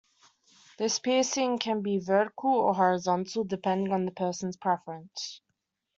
This piercing can be vertical or horizontal, depending on the person's preference.